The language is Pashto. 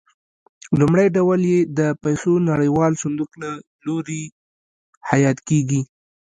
لومړی ډول یې د پیسو نړیوال صندوق له لوري حیات کېږي.